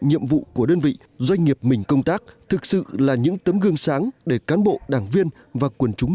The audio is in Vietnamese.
nhiệm vụ của đơn vị doanh nghiệp mình công tác thực sự là những tấm gương sáng để cán bộ đảng viên và quần chúng